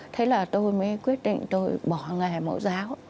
thế là tôi mới quyết định tôi bỏ nghề mẫu giáo